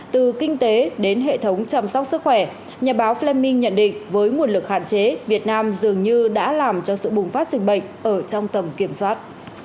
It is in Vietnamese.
từ kinh tế đến hệ thống chăm sóc sức khỏe nhà báo framing nhận định với nguồn lực hạn chế việt nam dường như đã làm cho sự bùng phát dịch bệnh ở trong tầm kiểm soát